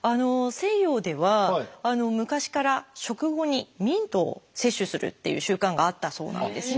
西洋では昔から食後にミントを摂取するっていう習慣があったそうなんですね。